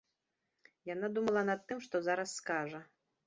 Яна думала над тым, што зараз скажа.